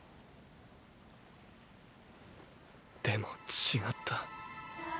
でも違った。